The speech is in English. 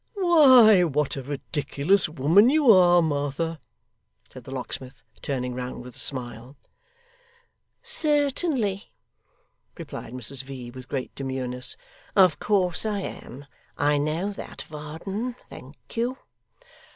'Why, what a ridiculous woman you are, Martha,' said the locksmith, turning round with a smile. 'Certainly,' replied Mrs V. with great demureness. 'Of course I am. I know that, Varden. Thank you.